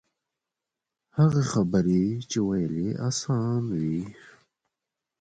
هغه خبرې چې ویل یې آسان وي.